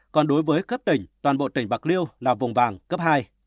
còn đối với cấp tỉnh toàn bộ tỉnh bạc liêu là vùng vàng cấp hai